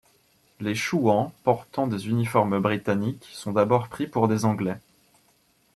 Les Chouans, portant des uniformes britanniques, sont d'abord pris pour des Anglais.